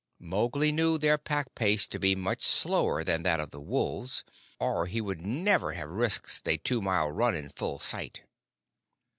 Mowgli knew their pack pace to be much slower than that of the wolves, or he would never have risked a two mile run in full sight.